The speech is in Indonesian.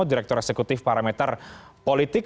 direktur eksekutif parameter politik